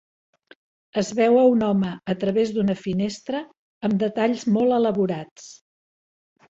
Es veu a un home a través d'una finestra amb detalls molt elaborats.